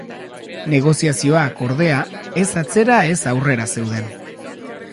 Negoziazioak, ordea, ez atzera ez aurrera zeuden.